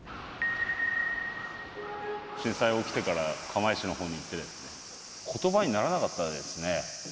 震災起きてから釜石のほうに行って、ことばにならなかったですね。